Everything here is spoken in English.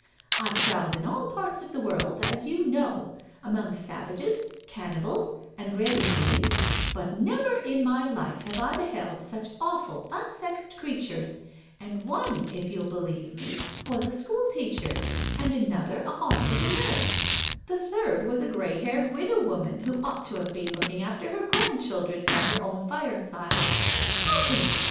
I've travelled in all parts of the world, as you know, among savages, cannibals, and Red Indians, but never in my life have I beheld such awful unsexed creatures^ and one, if you'll believe me, was a school teacher, and another a hospital nurse, the third was a grey haired widow woman who ought to have been looking after her grandchildren by her own jfireside. Shocking!